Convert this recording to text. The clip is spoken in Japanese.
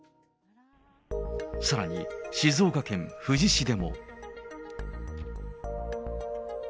さらに、静岡県富士市でも。